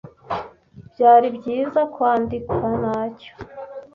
byari byiza kwandika ntacyo